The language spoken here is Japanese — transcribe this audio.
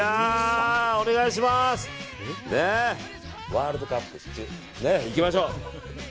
ワールドカップ、チュッ！いきましょう。